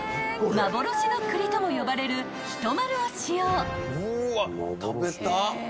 ［幻の栗とも呼ばれる人丸を使用］